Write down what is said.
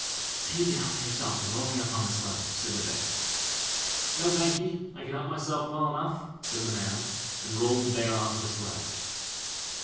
"Say you can help yourself, and roll me up on the sledge", said the Bear. "No, thank ye, I can help myself well enough", said the man, and rolled the Bear on to the sledge.